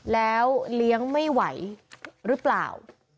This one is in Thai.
แล้วเลี้ยงไม่ไหวหรือเปล่า